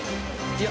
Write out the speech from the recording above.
いや。